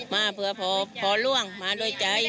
มาเผื่อพอล่วงมาด้วยใจ